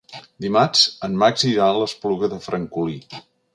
Dimarts en Max irà a l'Espluga de Francolí.